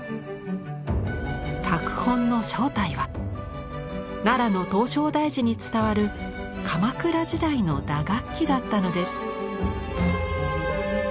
拓本の正体は奈良の唐招提寺に伝わる鎌倉時代の打楽器だったのです。